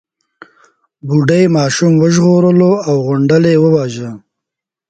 بوډۍ ماشوم وژغورلو او غونډل يې وواژه.